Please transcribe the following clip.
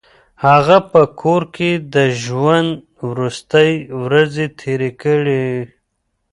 هغه په کور کې د ژوند وروستۍ ورځې تېرې کړې.